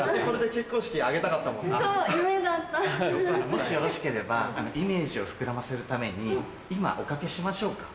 もしよろしければイメージを膨らませるために今おかけしましょうか？